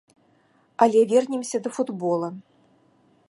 Але вернемся да футбола.